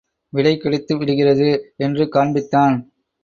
விடைகிடைத்து விடுகிறது! என்று காண்பித்தான்.